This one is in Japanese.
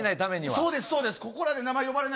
そうです、そうです。